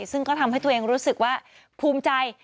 ซึ่งก็ทำให้ตัวเองรู้สึกว่าภูมิใจ